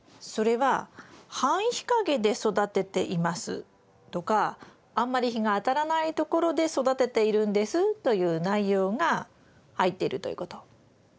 それは「半日陰で育てています」とか「あんまり日が当たらないところで育てているんです」という内容が入っているということ。